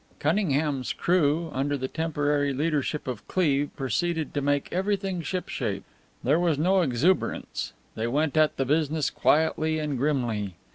Cunningham's crew, under the temporary leadership of Cleve, proceeded to make everything shipshape. There was no exuberance; they went at the business quietly and grimly.